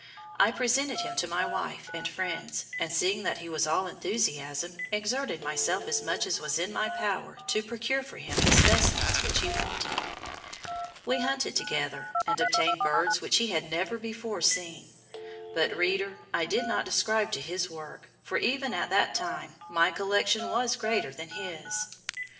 I presented him to my wife and friends, and seeing that he was all enthusiasm, exerted myself as much as was in my power to procure for him the specimens which he wanted. "We hunted together and obtained birds which he had never before seen; but, reader, I did not subscribe to his work, for, even at that time, my collection was greater than his.